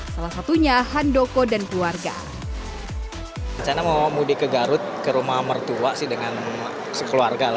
salah satunya handoko dan keluarga